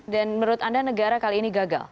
dan menurut anda negara kali ini gagal